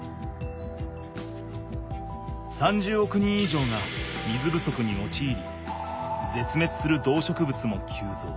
３０億人以上が水ぶそくにおちいりぜつめつする動植物も急増。